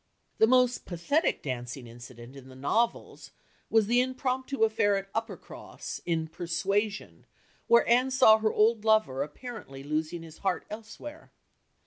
The most pathetic dancing incident in the novels was the impromptu affair at Uppercross (in Persuasion), where Anne saw her old lover apparently losing his heart elsewhere.